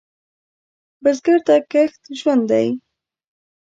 بزګر ته کښت ژوند دی